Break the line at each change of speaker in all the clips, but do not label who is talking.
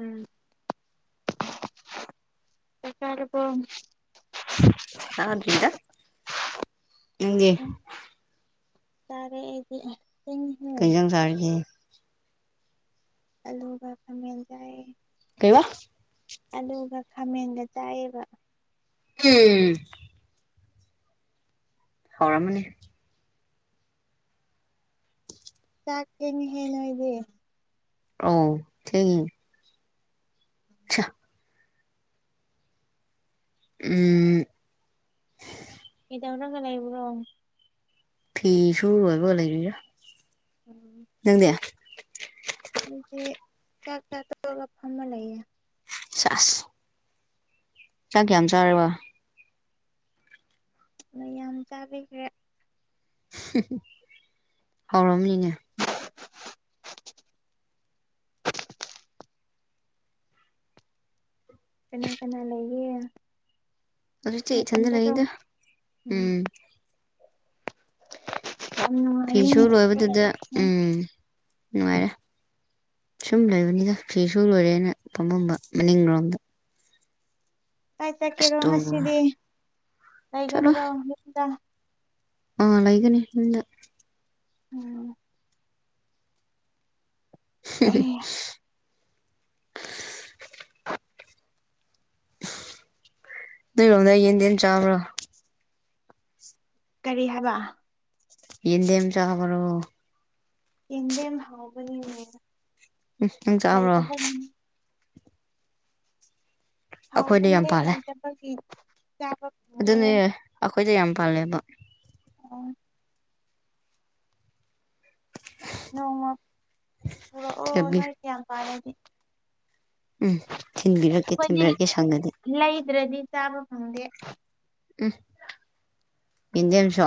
ꯎꯝ ꯆꯥꯛ‌‌‌‌ꯆꯥꯔꯕꯣ
ꯆꯥꯗꯔꯤꯗ ꯅꯪꯗꯤ
ꯆꯥꯔꯦ ꯑꯩꯗꯤ ꯊꯦꯡꯉꯤꯍꯦ
ꯀꯩ‌ ꯏꯟꯖꯥꯡ ꯆꯥꯔꯒꯦ
ꯑꯂꯨꯕ ꯈꯥꯃꯦꯟ‌‌‌ ꯆꯥꯏꯌꯦ
ꯀꯩꯕ
ꯑꯗꯨꯒ ꯈꯥꯃꯦꯟꯒ ꯆꯥꯏꯑꯕ
ꯎꯝ ꯍꯥꯎꯔꯝꯃꯅꯤ
ꯆꯥꯛ ꯊꯣꯛꯉꯦꯍꯦ ꯅꯣꯏꯗꯤ
ꯑꯥꯎ ꯊꯦꯡꯉꯦ [unintelligible] ꯎꯝ
ꯀꯩꯗꯧꯔꯒ‌ ꯂꯩꯕꯔꯣ
ꯐꯤꯁꯨ ꯔꯣꯏꯕꯒ ꯂꯩꯔꯤꯔ
ꯎꯝ
ꯅꯪꯗꯤ
ꯑꯩꯁꯦ ꯆꯥꯛ ꯆꯥ ‌ꯇꯣꯛꯑꯒ ꯐꯝꯃ ꯂꯩꯌꯦ
ꯆꯥꯁ ꯆꯥꯛ ꯀꯌꯥꯝ ꯆꯥꯔꯕ
ꯃꯌꯥꯝ ꯆꯥꯕꯤꯒꯔꯦ
ꯍꯥꯎꯔꯝꯅꯤꯅꯦ
ꯀꯅꯥ ꯀꯅꯥ ꯂꯩꯒ
ꯍꯩꯖꯤꯡꯇꯤ ꯏꯊꯟꯗ ꯂꯩꯗ ꯎꯝ
ꯌꯥꯝ ꯅꯨꯡꯉꯥꯏꯌꯦ
ꯐꯤꯁꯨ
ꯅꯊꯟꯇ
ꯂꯣꯏꯕꯗꯨꯗ
ꯂꯩꯕꯁꯦ
ꯎꯝ ꯅꯨꯡꯉꯥꯏꯔꯦ ꯁꯨꯝ ꯂꯩꯕꯅꯤꯗ ꯐꯤꯁꯨ ꯂꯣꯏꯔꯦꯅ ꯐꯝꯃꯝꯕ ꯃꯅꯤꯡ ꯔꯣꯝꯗ
ꯀꯥꯏ
ꯑꯁ
ꯆꯠꯀꯦꯔꯣ
ꯇꯣꯛꯑꯣ
ꯉꯁꯤꯗꯤ
ꯆꯠꯂꯣꯏ
ꯂꯩꯒꯗ꯭ꯔꯣ ꯌꯨꯝꯗ
ꯑꯥ ꯂꯩꯒꯅꯤ ꯌꯨꯝꯗ
ꯎꯝ [unintelligible]
ꯅꯣꯏꯔꯣꯝꯗ ꯌꯦꯟꯗꯦꯝ ꯆꯥꯕ꯭ꯔꯣ
ꯀꯔꯤ ꯍꯥꯏꯕ
ꯌꯦꯟꯗꯦꯝ ꯆꯥꯕꯔꯣ
ꯌꯦꯟꯗꯦꯝ ꯍꯥꯎꯕꯅꯤꯅꯦ
ꯎꯝ ꯅꯪ ꯆꯥꯕꯔꯣ
ꯂꯩꯇꯕꯒꯤꯅꯦ
ꯑꯩꯈꯣꯏꯗ
ꯍꯥꯎꯕꯅꯦ
ꯌꯥꯝ ꯄꯥꯜꯂꯦ
[unintelligible] ꯆꯥꯕ ꯐꯪꯗꯦ
ꯑꯗꯨꯅꯦ ꯑꯩꯈꯣꯏꯗ ꯌꯥꯝ ꯄꯥꯜꯂꯦꯕ
ꯑꯣ ꯅꯣꯡꯃ ꯄꯨꯔꯛꯑꯣ
ꯊꯤꯟꯕꯤ
ꯅꯣꯏꯗ ꯌꯥꯝ ꯄꯥꯜꯂꯗꯤ
ꯎꯝ ꯊꯤꯟꯕꯤꯔꯛꯀꯦ ꯊꯤꯟꯕꯤꯔꯛꯀꯦ ꯁꯪꯉꯗꯤ
ꯂꯩꯗꯔꯗꯤ ꯆꯥꯕ ꯐꯪꯗꯦ
ꯎꯝ ꯌꯦꯟꯗꯦꯝꯁꯣ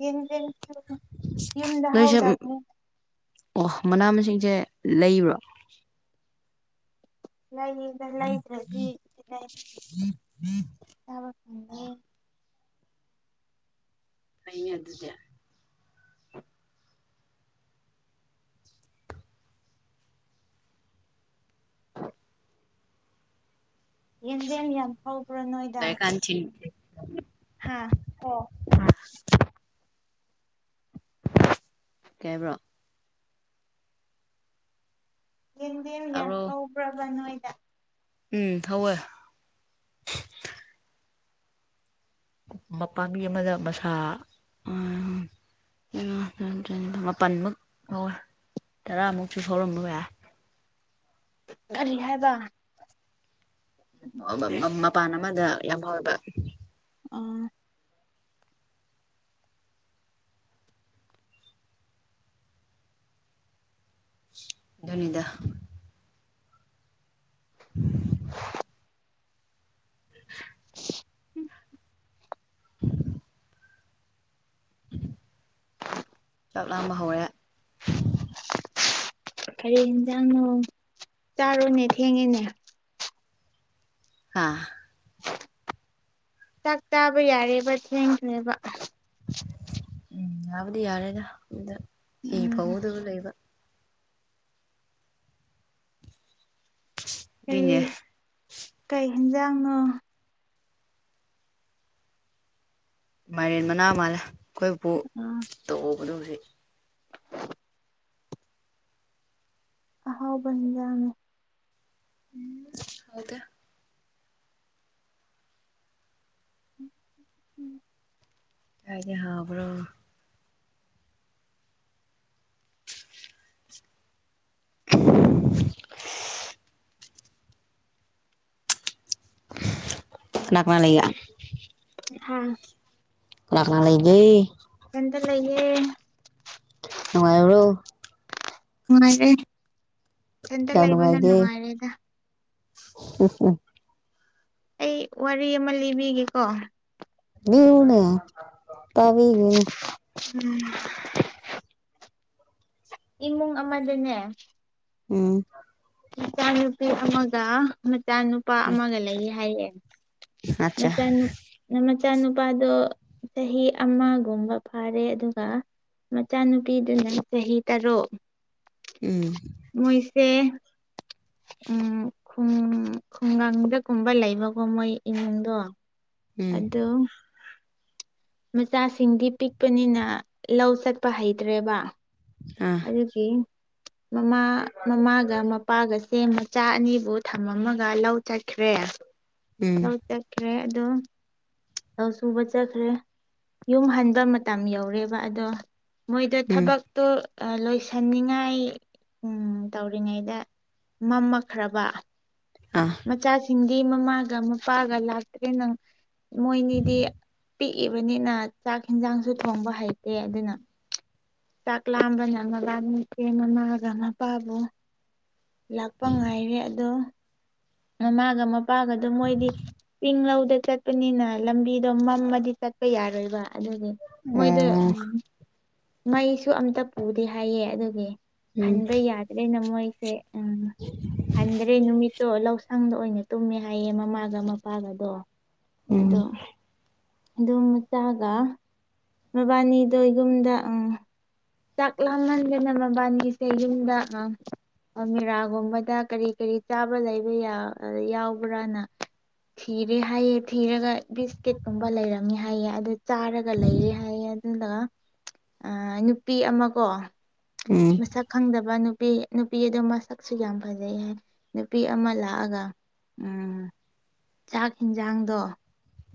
ꯌꯦꯟꯗꯦꯝꯁꯨ ꯌꯨꯝꯗ
ꯅꯣꯏꯁꯦ
ꯍꯧꯗꯕꯅꯤꯅ
ꯑꯣ ꯃꯅꯥ ꯃꯁꯤꯡꯁꯦ ꯂꯩꯕ꯭ꯔꯣ
ꯂꯥꯏꯌꯦꯗ ꯂꯩꯗꯔꯗꯤ ꯀꯗꯥꯌꯗꯒꯤ ꯆꯥꯕ ꯐꯪꯅꯤ
ꯐꯩꯅꯦ ꯑꯗꯨꯗꯤ
ꯌꯦꯟꯗꯦꯝ ꯌꯥꯝ ꯍꯧꯕ꯭ꯔ ꯅꯣꯏꯗ
[unintelligible]
ꯍꯥꯥ
ꯑꯣ ꯀꯩ ꯍꯥꯏꯕ꯭ꯔꯣ
ꯌꯦꯅꯗꯦꯝ ꯌꯥꯝ
ꯇꯥꯕ꯭ꯔꯣ
ꯍꯧꯕ꯭ꯔꯕ ꯅꯣꯏꯗ
ꯎꯝ ꯍꯧꯋꯦ ꯃꯄꯥꯥꯝꯕꯤ ꯑꯃꯗ ꯃꯁꯥ ꯎꯝ [unintelligible] ꯃꯥꯄꯟ ꯃꯨꯛ ꯂꯧꯔ ꯇꯔꯥꯃꯨꯛꯁꯨ ꯍꯧꯎꯔꯝꯕ ꯌꯥꯏ
ꯀꯔꯤ ꯍꯥꯏꯕ
ꯃꯥ ꯃꯥ ꯃꯄꯥꯟ ꯑꯃꯗ ꯌꯥꯝ ꯍꯧꯋꯦꯕ
ꯑꯥ
ꯑꯗꯨꯅꯤꯗ [inaudible] [inaudible]
[inaudible]
ꯆꯥꯛꯂꯥꯝꯕ ꯍꯧꯔꯦ
ꯀꯔꯤ ꯌꯦꯟꯖꯥꯡꯅꯣ ꯆꯥꯔꯨꯅꯦ ꯊꯦꯡꯉꯦꯅꯦ
ꯍꯥꯥ
ꯆꯥꯛ ꯆꯥꯕ ꯌꯥꯔꯦꯕ ꯊꯦꯡꯈꯔꯦꯕ
ꯎꯝ ꯌꯥꯕꯨꯗꯤ ꯌꯥꯔꯦꯗ ꯑꯗꯨꯗ ꯐꯤ
ꯎꯝ
ꯐꯧꯒꯗꯕꯨ ꯂꯩꯕ ꯑꯗꯨꯏꯅꯦ
ꯀꯔꯤ ꯀꯩ ꯍꯦꯟꯖꯥꯡꯅꯣ
ꯃꯥꯏꯔꯦꯟ ꯃꯅꯥ ꯃꯥꯜꯂꯦ ꯑꯩꯈꯣꯏꯄꯨ
ꯑꯥ
ꯇꯧꯕꯗꯨ ꯍꯨꯖꯤꯛ
ꯑꯍꯥꯎꯕ ꯏꯟꯖꯥꯡꯅꯤ
ꯍꯥꯎꯇꯦ
[inaudible]
ꯀꯔꯥꯏꯗꯩꯩ ꯍꯥꯎꯕ꯭ꯔꯣ [inaudible] ꯀꯅꯥ ꯀꯅꯥ ꯂꯩꯒꯦ
ꯍꯥ
ꯀꯅꯥ ꯀꯅꯥ ꯂꯩꯒꯦ
ꯏꯊꯟꯇꯥ ꯂꯩꯌꯦ
ꯅꯨꯉꯥꯏꯕꯔꯣ
ꯅꯨꯡꯉꯥꯏꯔꯦ ꯏꯊꯟꯇ
ꯀꯌꯥꯝ
ꯂꯩꯕꯅ
ꯅꯨꯡꯉꯥꯏꯒꯦ
ꯅꯨꯡꯉꯥꯏꯔꯦꯗ
[unintelligible]
ꯑꯩ ꯋꯥꯔꯤ ꯑꯃ ꯂꯤꯕꯤꯒꯦꯀꯣ
ꯂꯤꯌꯨꯅꯦ ꯇꯥꯕꯤꯒꯦꯅꯦ
ꯎꯝ ꯏꯃꯨꯡ ꯑꯃꯗꯅꯦ
ꯎꯝ
ꯃꯆꯥ ꯅꯨꯨꯄꯤ ꯑꯃꯒ ꯃꯆꯥ ꯅꯨꯄꯥ ꯑꯃꯒ ꯂꯩꯌꯦ ꯍꯥꯏꯌꯦ
ꯑꯠꯆꯥ
ꯃꯆꯥꯅꯨꯞ ꯃꯆꯥꯅꯨꯄꯥꯗꯣ ꯆꯍꯤ ꯑꯃꯒꯨꯝꯕ ꯐꯥꯔꯦ ꯑꯗꯨꯒ ꯃꯆꯥꯅꯨꯄꯤꯗꯨꯅ ꯆꯍꯤ ꯇꯔꯨꯛ
ꯎꯝ
ꯃꯣꯏꯁꯦ ꯎꯝ ꯈꯨꯡ ꯈꯨꯡꯒꯪꯗꯒꯨꯝꯕ ꯂꯩꯕꯀꯣ ꯃꯣꯏ ꯏꯃꯨꯡꯗꯣ
ꯎꯝ
ꯑꯗꯨꯝ ꯃꯆꯥꯁꯤꯡꯗꯤ ꯄꯤꯛꯄꯅꯤꯅ ꯂꯧ ꯆꯠꯄ ꯍꯩꯇ꯭ꯔꯦꯕ
ꯑꯥ
ꯑꯗꯨꯀꯤ ꯃꯃꯥ ꯃꯃꯥꯒ ꯃꯄꯥꯒꯁꯦ ꯃꯆꯥ ꯑꯅꯤꯕꯨ ꯊꯝꯃꯝꯃꯒ ꯂꯧ ꯆꯠꯈ꯭ꯔꯦ
[inaudible]
ꯂꯧ ꯆꯠꯈ꯭ꯔꯦ ꯑꯗꯨꯝ ꯂꯧ ꯁꯨꯕ ꯆꯠꯈ꯭ꯔꯦ ꯌꯨꯝ ꯍꯟꯕ ꯃꯇꯝ ꯌꯧꯔꯦꯕ ꯑꯗꯣ ꯃꯣꯏꯗꯣ
ꯎꯝ
ꯊꯕꯛꯇꯣ ꯂꯣꯏꯁꯟꯅꯤꯉꯥꯏ ꯎꯝ ꯇꯧꯔꯤꯉꯩꯗ ꯃꯝꯃꯛꯈ꯭ꯔꯕ
ꯑꯥ
ꯃꯆꯥꯁꯤꯡꯗꯤ ꯃꯃꯥꯒ ꯃꯄꯥꯒ ꯂꯥꯛꯇ꯭ꯔꯦꯅꯪ ꯃꯣꯏꯅꯤꯗꯤ ꯄꯤꯛꯏꯕꯅꯤꯅ ꯆꯥꯛ ꯍꯦꯟꯖꯥꯡꯁꯨ ꯊꯣꯡꯕ ꯍꯩꯇꯦ ꯑꯗꯨꯅ ꯆꯥꯛ ꯂꯥꯝ ꯑꯗꯨꯅ ꯃꯕꯥꯅꯤ ꯑꯦ ꯃꯃꯥꯒ ꯃꯄꯥꯕꯨ ꯂꯥꯛꯄ ꯉꯥꯏꯔꯦ ꯑꯗꯣ ꯃꯃꯥꯒ ꯃꯄꯥꯒꯗꯣ ꯃꯣꯏꯗꯤ ꯆꯤꯡꯂꯧꯗ ꯆꯠꯄꯅꯤꯅ ꯂꯝꯕꯤꯗꯣ ꯃꯝꯃꯗꯤ ꯆꯠꯄ ꯌꯥꯔꯣꯏꯕ ꯑꯗꯨꯒꯤ ꯃꯣꯏꯗ
ꯑꯣ
ꯎꯝ ꯃꯩꯁꯨ ꯑꯝꯇ ꯄꯨꯗꯦ ꯍꯥꯏꯌꯦ ꯑꯗꯨꯒꯤ
ꯎꯝ
ꯍꯟꯕ ꯌꯥꯗ꯭ꯔꯦꯅ ꯃꯣꯏꯁꯦ ꯎꯝ ꯍꯟꯗ꯭ꯔꯦ ꯅꯨꯃꯤꯠꯇꯣ ꯂꯧ ꯁꯪꯗ ꯑꯣꯏꯅ ꯇꯨꯝꯃꯦ ꯍꯥꯏꯌꯦ ꯃꯃꯥꯒ ꯃꯄꯥꯒꯗꯣ
ꯎꯝ
ꯑꯗꯨꯝ ꯑꯗꯨꯝ ꯃꯆꯥꯒ ꯃꯕꯥꯅꯤꯗꯣ ꯌꯨꯝꯗ ꯑꯪ ꯆꯥꯛ ꯂꯥꯝꯃꯟꯗꯅ ꯃꯕꯥꯟꯅꯤꯁꯦ ꯌꯨꯝꯗ ꯑ ꯑꯜꯃꯤꯔꯥꯒꯨꯝꯕꯗ ꯀꯔꯤ ꯀꯔꯤ ꯆꯥꯕ ꯂꯩꯕ ꯌꯥ ꯑ ꯌꯥꯎꯕ꯭ꯔꯥꯅ ꯊꯤꯔꯦ ꯍꯥꯏꯌꯦ ꯊꯤꯔꯒ ꯕꯤꯁꯀꯤꯠꯀꯨꯝꯕ ꯂꯩꯔꯝꯃꯤ ꯍꯥꯏꯌꯦ ꯑꯗꯨ ꯆꯥꯔꯒ ꯂꯩꯔꯦ ꯍꯥꯏꯌꯦ ꯑꯗꯨꯅ ꯑ ꯅꯨꯄꯤ ꯑꯃꯀꯣ
ꯎꯝ
ꯃꯁꯛ ꯈꯪꯗꯕ ꯅꯨꯄꯤ ꯅꯨꯄꯤ ꯑꯗꯨ ꯃꯁꯛꯁꯨ ꯌꯥꯝ ꯐꯖꯩ ꯍꯥꯏ ꯅꯨꯄꯤ ꯑꯃ ꯂꯥꯛꯑꯒ ꯎꯝ ꯆꯥꯛ ꯍꯦꯟꯖꯥꯡꯗꯣ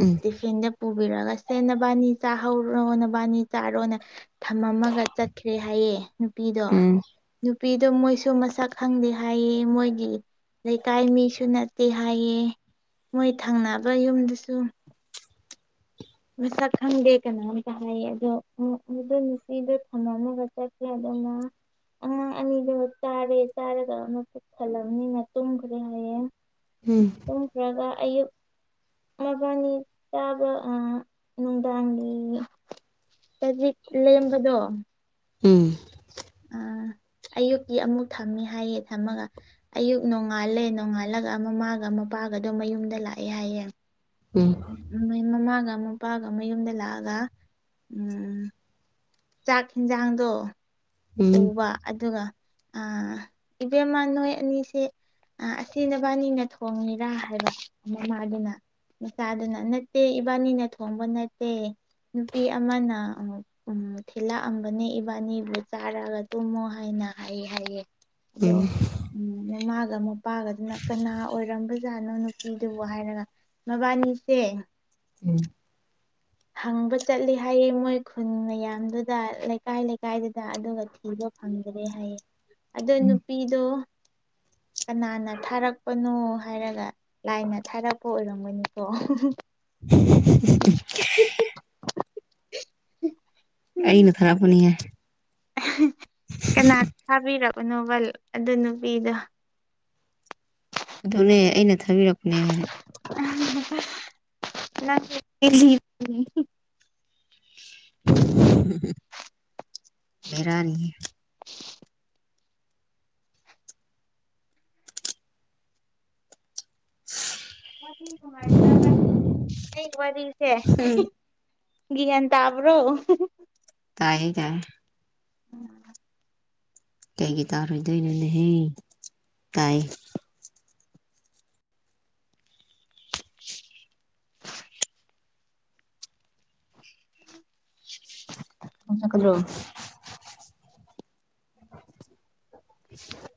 ꯎꯝ
ꯇꯤꯐꯤꯟꯗ ꯄꯨꯕꯤꯔꯒ ꯁꯦ ꯅꯕꯥꯅꯤ ꯆꯥꯍꯧꯔꯣ ꯅꯕꯥꯅꯤ ꯆꯥꯔꯣꯅ ꯊꯝꯃꯝꯃꯒ ꯆꯠꯈ꯭ꯔꯦ ꯍꯥꯏꯌꯦ ꯅꯨꯄꯤꯗꯣ
ꯎꯝ ꯎꯝ
ꯅꯨꯄꯤꯗꯣ ꯃꯣꯏꯁꯨ ꯃꯁꯛ ꯈꯪꯗꯦ ꯍꯥꯏꯌꯦ ꯃꯣꯏꯒꯤ ꯂꯩꯀꯥꯏ ꯃꯤꯁꯨ ꯅꯠꯇꯦ ꯍꯥꯏꯌꯦ ꯃꯣꯏ ꯊꯪꯅꯕ ꯌꯨꯝꯗꯁꯨ ꯃꯁꯛ ꯈꯪꯗꯦ ꯀꯅꯥꯝꯇ ꯍꯥꯏꯌꯦ ꯑꯗꯣ ꯑꯗꯨ ꯅꯨꯄꯤꯗꯣ ꯊꯝꯃꯝꯃꯒ ꯆꯠꯀꯦꯗꯅ ꯑꯉꯥꯡ ꯑꯅꯤꯗꯨ ꯆꯥꯔꯦ ꯆꯥꯔꯒ ꯃꯕꯨꯛ ꯊꯜꯂꯕꯅꯤꯅ ꯇꯨꯡꯈꯔꯦ ꯍꯥꯏꯌꯦ
ꯎꯝ
ꯇꯨꯝꯈ꯭ꯔꯒ ꯑꯌꯨꯛ ꯃꯕꯥꯅꯤ ꯆꯥꯕ ꯑ ꯅꯨꯡꯗꯥꯡꯒꯤ ꯆꯖꯤꯛ ꯂꯦꯝꯕꯗꯣ
ꯎꯝ
ꯑꯥ
[inaudible]
ꯑꯌꯨꯛꯀꯤ ꯑꯃꯨꯛ ꯊꯝꯃꯤ ꯍꯥꯏꯌꯦ ꯊꯝꯃꯒ ꯑꯌꯨꯛ ꯅꯣꯡꯉꯥꯜꯂꯦ ꯅꯣꯡꯉꯥꯜꯂꯒ ꯃꯃꯥꯒ ꯃꯄꯥꯒꯗꯣ ꯃꯌꯨꯝꯗ ꯂꯥꯛꯑꯦ ꯍꯥꯏꯌꯦ
ꯎꯝ
ꯃꯣꯏ ꯃꯃꯥꯒ ꯃꯄꯥꯒ ꯌꯨꯝꯗ ꯂꯥꯛꯑꯒ ꯆꯥꯛ ꯌꯦꯟꯖꯥꯡꯗꯣ
ꯎꯝ
ꯎꯕ ꯑꯗꯨꯒ ꯑꯥ
[inaudible]
ꯏꯕꯦꯝꯃ ꯅꯣꯏ ꯑꯅꯤꯁꯦ ꯑ ꯑꯁꯤ ꯅꯕꯥꯅꯤꯅ ꯊꯣꯡꯉꯤꯔꯥ ꯍꯥꯏꯕ ꯃꯃꯥꯖꯤꯅ ꯃꯆꯥꯗꯨꯅ ꯅꯠꯇꯦ ꯏꯕꯥꯅꯤꯅ ꯊꯣꯡꯕ ꯅꯠꯇꯦ ꯅꯨꯄꯤ ꯑꯃꯅ ꯎ ꯊꯤꯂꯛꯑꯝꯕꯅꯦ ꯏꯕꯥꯅꯤꯕꯨ ꯆꯥꯔꯛꯑꯒ ꯇꯨꯝꯃꯣ ꯍꯥꯏꯅ ꯑꯩ ꯍꯥꯏꯌꯦ ꯑꯗꯣ
ꯎꯝ
ꯎꯝ ꯃꯃꯥꯒ ꯃꯄꯥꯒꯗꯨꯅ ꯀꯅꯥ ꯑꯣꯏꯔꯝꯕꯖꯥꯠꯅꯣ ꯅꯨꯄꯤꯗꯨꯕꯨ ꯍꯥꯏꯔꯒ ꯃꯕꯥꯅꯤꯁꯦ
ꯎꯝ
ꯍꯪꯕ ꯆꯠꯂꯤ ꯍꯥꯏꯌꯦ ꯃꯣꯏ ꯈꯨꯟ ꯃꯌꯥꯝꯗꯨꯗ ꯂꯩꯀꯥꯏ ꯂꯩꯀꯥꯏꯗ ꯗ ꯑꯗꯨꯒ ꯊꯤꯕ ꯐꯪꯗ꯭ꯔꯦ ꯍꯥꯏꯌꯦ ꯑꯗꯣ ꯅꯨꯄꯤꯗꯣ ꯀꯅꯥꯅ ꯊꯥꯔꯛꯄꯅꯣ ꯍꯥꯏꯔꯒ ꯂꯥꯏꯅ ꯊꯥꯔꯛꯄ ꯑꯣꯏꯔꯝꯒꯅꯤꯀꯣ
ꯑꯩꯅ ꯊꯔꯛꯄꯅꯤ ꯍꯦ
ꯀꯅꯥ ꯊꯥꯕꯤꯔꯕꯅꯣꯕ ꯑꯗꯨ ꯅꯨꯄꯤꯗꯣ
ꯑꯗꯨꯅꯦ ꯑꯩꯅ ꯊꯥꯕꯤꯔꯛꯄꯅꯦ ꯍꯥꯏꯔꯦ
[unintelligible]
ꯚꯦꯔꯥꯅꯤꯍꯦ
[inaudible] ꯑꯩ ꯋꯥꯔꯤꯁꯦ ꯒꯤꯌꯥꯟ ꯇꯥꯕ꯭ꯔꯣ
ꯇꯥꯌꯦ ꯇꯥꯏ
ꯎꯝ
ꯀꯩꯒꯤ ꯇꯥꯔꯣꯏꯗꯣꯏꯅꯣꯅꯦꯍꯦ ꯇꯥꯏ ꯅꯪ ꯆꯠꯀꯗ꯭ꯔꯣ [inaudible]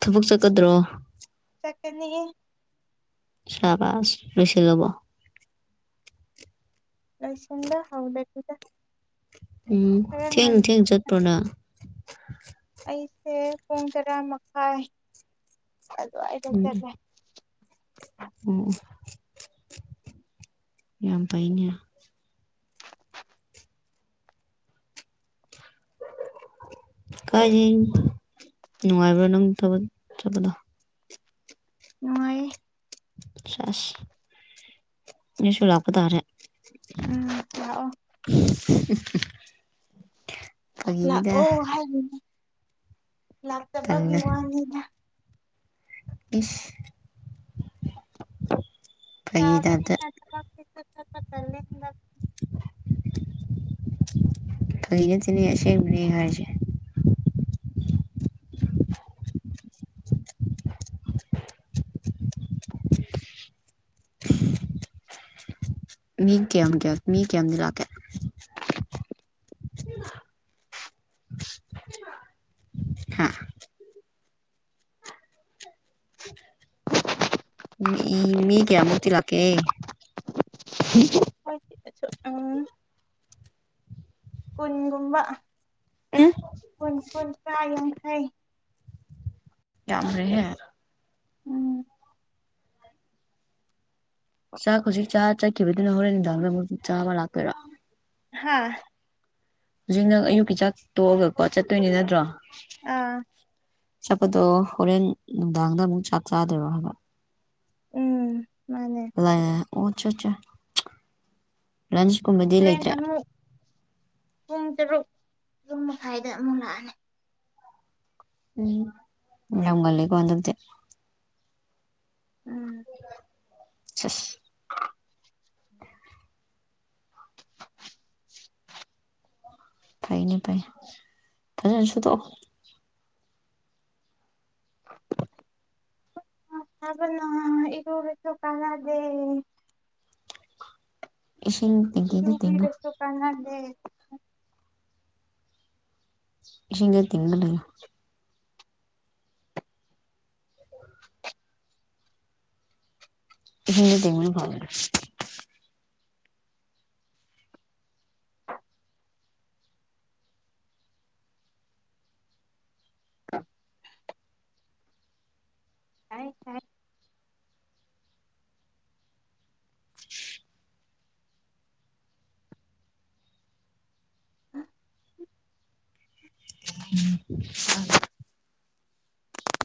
ꯊꯕꯛ ꯆꯠꯀꯗ꯭ꯔꯣ
ꯆꯠꯀꯅꯤꯌꯦ
ꯁꯥꯕꯁ ꯂꯣꯏꯁꯤꯜꯂꯕꯣ
ꯂꯣꯏꯁꯤꯟꯕ ꯍꯥꯎꯗꯔꯤꯗ
ꯎꯝ ꯊꯦꯡ ꯊꯦꯡ ꯆꯠꯄ꯭ꯔꯣ ꯅꯪ
ꯑꯩꯁꯦ ꯄꯨꯡ ꯇꯔꯥ ꯃꯈꯥꯏ ꯑꯗꯨꯋꯥꯏꯗ
ꯎꯝ
ꯆꯠꯂꯦ
ꯑꯣ ꯌꯥꯝ ꯐꯩꯅꯦ ꯀꯥꯏꯗꯩ ꯅꯨꯡꯉꯥꯏꯕ꯭ꯔꯥ ꯅꯪ ꯊꯕꯛ ꯆꯠꯄꯗꯣ
ꯅꯨꯉꯥꯏꯌꯦ
ꯆꯁ ꯑꯩꯁꯨ ꯂꯥꯛꯄ ꯇꯥꯔꯦ
ꯎꯝ ꯂꯥꯑꯣ
[inaudible]
ꯂꯥꯛꯑꯣ ꯍꯥꯏꯕꯅꯦ ꯂꯥꯛꯇꯕꯒꯤ
ꯇꯜꯂꯦ
ꯋꯥꯅꯤꯗ
ꯏꯁ ꯐꯥꯒꯤ ꯇꯥꯏꯞꯇ
ꯕ [unintelligible]
ꯐꯒꯤ ꯅꯠꯇ‌ꯦꯅ‌ꯦ ꯑꯁ‌ꯦꯡꯕꯅ‌ꯦ ꯑꯩ ꯍꯥꯏꯁꯦ ꯃꯤ ꯀꯌꯥꯝ ꯀꯌꯥꯝ ꯃꯤ ꯀꯌꯥꯝꯗꯤ ꯂꯥꯛꯀꯦ [unintelligible] ꯎ ꯍꯥ [unintelligible] ꯃꯤ ꯃꯤ ꯀꯌꯥꯃꯨꯛꯇꯤ ꯂꯥꯛꯀꯦ
ꯎꯝ [unintelligible] ꯃꫭꯏꯒꯤ [unintelligible] ꯎꯝ ꯀꯨꯟꯒꯨꯝꯕ
ꯎꯝ
ꯀꯨꯟ ꯀꯨꯟꯇ꯭ꯔꯥ ꯌꯥꯡꯈꯩ
ꯌꯥꯝꯒꯔ꯭ꯦꯍꯦ
ꯎꯝ
ꯆꯥꯛ ꯍꯨꯖꯤꯛ ꯆꯔꯥ ꯆꯠꯈꯤꯕꯗꯨꯅ ꯍꯣꯔꯦꯟ ꯅꯨꯡꯗꯥꯡꯗ ꯑꯃꯨꯛ ꯆꯥꯕ ꯂꯥꯛꯇꯣꯏꯔꯣ
ꯍꯥꯥ
ꯍꯧꯖꯤꯛ ꯅꯪ ꯑꯌꯨꯛꯀꯤ ꯆꯥꯛ ꯇꯣꯛꯑꯒꯀꯣ ꯆꯠꯇꯣꯏꯅꯤ ꯅꯠꯇ꯭ꯔꯣ
ꯑꯥ
ꯆꯠꯄꯗꯣ ꯍꯣꯔꯦꯟ ꯅꯨꯡꯗꯥꯡꯗ ꯑꯃꯨꯛ ꯆꯥꯛ ꯆꯥꯗꯣꯏꯔꯣ ꯍꯥꯏꯕ
ꯎꯝ ꯃꯥꯅꯦ
ꯑꯦ ꯑꯣ ꯆꯣ ꯆꫭ ꯂꯥꯟꯁ ꯀꯨꯝꯃꯥ
ꯍꯣꯔꯦꯟ ꯑꯃꯨꯛ ꯄꯨꯡ ꯇꯔꯨꯛ ꯄꯨꯡ ꯃꯈꯥꯏꯗ ꯑꯃꯨꯛ ꯂꯥꯛꯑꯅꯤ
ꯎꯝ ꯌꯥꯝ ꯉꯟꯂꯤꯀꯣ ꯍꯟꯗꯛꯇꯤ
ꯎꯝ
ꯁꯁ [unintelligible] ꯐꯥꯏꯅꯦ ꯐꯥꯏ ꯐꯖꯅꯥ ꯁꯨꯨꯗꯣꯛꯑꯣ
[unintelligible] ꯕꯅꯥ ꯏꯔꯨꯔꯁꯨ ꯀꯅꯗꯦ
ꯏꯁꯤꯡ ꯇꯦꯡꯀꯤꯗ ꯇꯤꯡꯉꯨ
ꯏꯔꯨꯕꯤꯔꯁꯨ ꯀꯥꯟꯅꯗꯦ
ꯏꯁꯤꯡꯗ ꯇꯤꯟꯉꯥ ꯂꯩꯌꯨ ꯏꯁꯤꯡꯗ ꯇꯤꯡꯂꯒꯥ
ꯁꯥꯏ ꯁꯥꯏ
[inaudible] ꯎꯝ [unintelligible]